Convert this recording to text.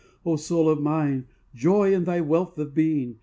O soul of mine, Joy in thy wealth of being!